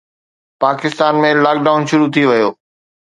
Pakistan ۾ lockdown شروع ٿي ويو